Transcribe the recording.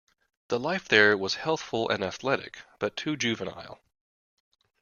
The life there was healthful and athletic, but too juvenile.